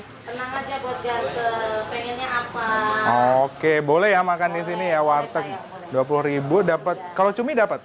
tenang aja buat jatuh pengennya apa oke boleh ya makan di sini ya warteg dua puluh ribu dapat kalau cumi dapat